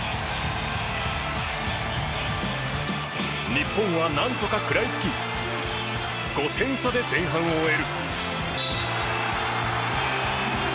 日本は何とか食らいつき５点差で前半を終える。